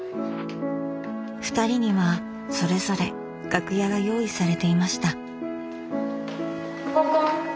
ふたりにはそれぞれ楽屋が用意されていました。